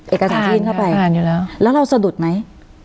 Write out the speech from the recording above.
เอกสารที่ยื่นเข้าไปผ่านครับผ่านอยู่แล้วแล้วเราสะดุดไหม